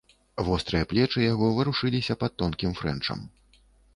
Вострыя плечы яго варушыліся пад тонкім фрэнчам.